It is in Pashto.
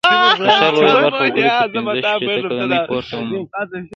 د ښار لویه برخه وګړي تر پینځه شپېته کلنۍ پورته عمر لري.